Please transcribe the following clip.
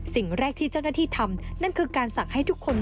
สิ่งแรกที่เจ้าหน้าที่ทำนั่นคือการสั่งให้ทุกคน